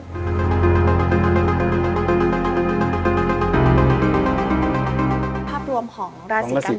ราศีกรรมย์ทั้งหมดได้ไหมคะ